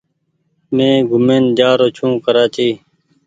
مين گھومين جآ رو ڇون ڪرآچي ۔